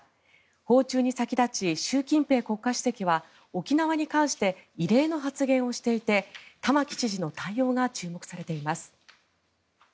訪中に先立ち、習近平国家主席は沖縄に関して異例の発言をしていて玉城知事の対応が注目されています。